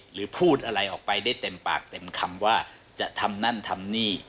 หรือพูดอะไรออกไปได้เต็มปากเต็มคำว่าจะทำนั่นทำนี่